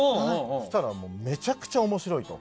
そうしたらめちゃくちゃ面白いと。